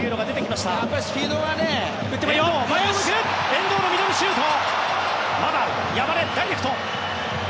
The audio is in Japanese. まだある山根、ダイレクト！